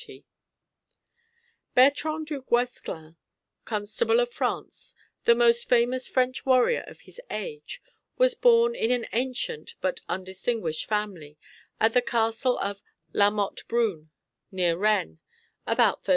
[TN]] Bertrand du Guesclin, Constable of France, the most famous French warrior of his age, was born of an ancient but undistinguished family, at the castle of La Motte Broon, near Rennes, about 1314.